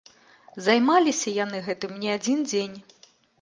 Займаліся яны гэтым не адзін дзень.